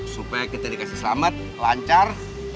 supaya kita dikasih selamat lancar